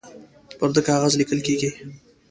پر ده کاغذ لیکل کیږي